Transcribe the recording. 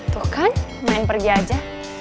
tuh kan main pergi aja